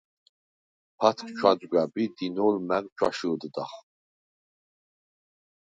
ფათქ ჩვაძგვაბ ი დინოლ მა̈გ ჩვაშჷდდახ.